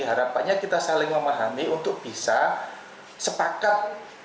harapannya kita saling memahami untuk bisa sepakat